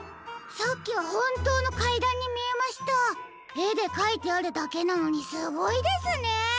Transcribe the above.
えでかいてあるだけなのにすごいですね。